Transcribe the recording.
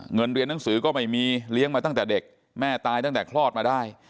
เรียนหนังสือก็ไม่มีเลี้ยงมาตั้งแต่เด็กแม่ตายตั้งแต่คลอดมาได้